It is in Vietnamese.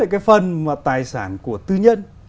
cái phần tài sản của tư nhân